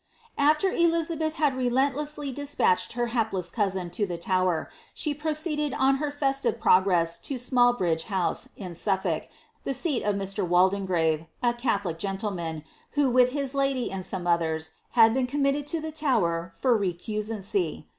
After Elizabeth hud relentlessly despatched her hapless cousin to the Tovier, she proceeded on her festive progress to Smallbridge House, in ^uifulk, the seat of 3Ir. Waldegrave, a catholic gentleman, who with his JfcJv and some others, had been committed to tiie Tower for recusancy.